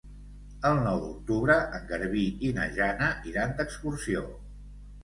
El nou d'octubre en Garbí i na Jana iran d'excursió.